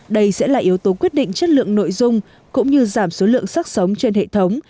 đây sẽ là yếu tố quyết định chất lượng nội dung cũng như giảm số lượng sức sống trên hệ thống